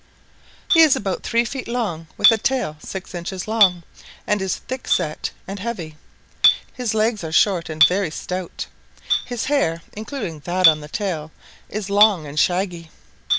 He is about three feet long with a tail six inches long, and is thickset and heavy. His legs are short and very stout. His hair, including that on the tail, is long and shaggy.